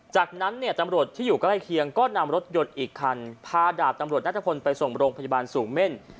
จากนั้นเนี่ยตำรวจที่อยู่ใกล้เคียงก็นำรถยนต์อีกคันพาดาบตำรวจนัทพลไปส่งโรงพยาบาลสูงเม่น